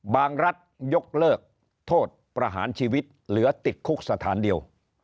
รัฐยกเลิกโทษประหารชีวิตเหลือติดคุกสถานเดียว